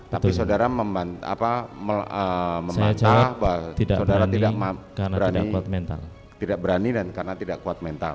tapi saudara membantah bahwa saudara tidak berani karena tidak kuat mental